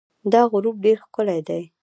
دا غروب ډېر ښکلی دی.